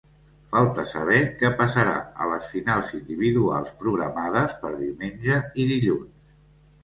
Falta saber què passarà a les finals individuals programades per diumenge i dilluns.